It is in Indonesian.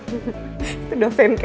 itu udah fan kamu loh